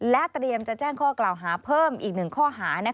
และเตรียมจะแจ้งข้อกล่าวหาเพิ่มอีก๑ข้อหา